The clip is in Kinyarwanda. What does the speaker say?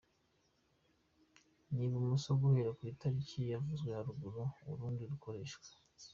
rw’ibumoso guhera ku itariki yavuzwe haruguru, urundi rukoreshwe.